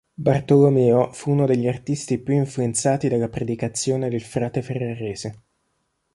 Bartolomeo fu uno degli artisti più influenzati dalla predicazione del frate ferrarese.